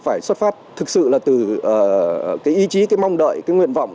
phải xuất phát thực sự là từ cái ý chí cái mong đợi cái nguyện vọng